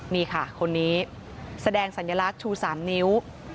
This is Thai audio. นี่ค่ะคนนี้แสดงสัญลักษณ์ชู๓นิ้ว